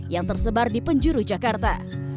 yang tersebar di penjuru jakarta